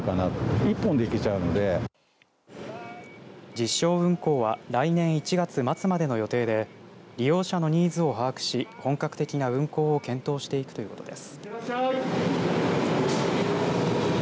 実証運行は来年１月末までの予定で利用者のニーズを把握し本格的な運行を検討していくということです。